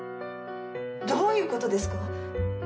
どういう事ですか！？